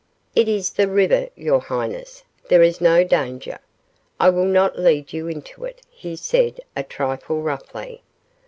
"It is the river, your highness. There is no danger. I will not lead you into it," he said, a trifle roughly.